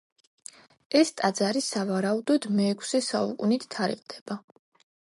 ეს ტაძარი სავარაუდოდ მეექვსე საუკუნით თარიღდება.